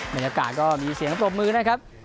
บรรยากาศก็มีเสียงปรบมือนะครับ